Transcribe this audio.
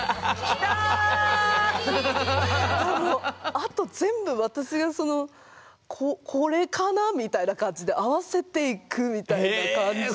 あと全部私がその「これかな？」みたいな感じで合わせていくみたいな感じだったから。